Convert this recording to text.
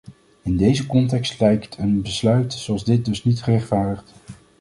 In deze context lijkt een besluit zoals dit dus niet gerechtvaardigd.